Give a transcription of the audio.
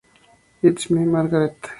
It's Me, Margaret".